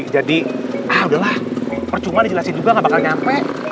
jadi ah udahlah percuma dijelasin juga gak bakal nyampe